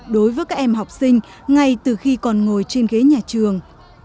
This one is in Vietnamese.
đối với các em học sinh ngay từ khi còn ngồi trên ghế nhà trường